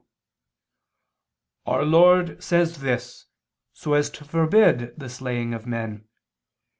"Our Lord says this so as to forbid the slaying of men.